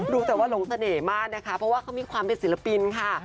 รู้แต่ว่าหลงเสน่ห์มากนะคะเพราะว่าเขามีความเป็นศิลปินค่ะ